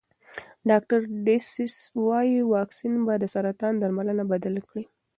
ډاکټر ډسیس وايي واکسین به د سرطان درملنه بدله کړي.